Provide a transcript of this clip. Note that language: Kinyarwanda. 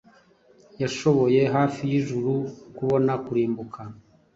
Yashoboye hafi yijuru kubona kurimbuka